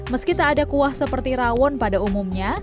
meski tak ada kuah seperti rawon pada umumnya